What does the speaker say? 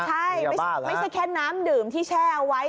ใช่ไม่ใช่แค่น้ำดื่มที่แช่เอาไว้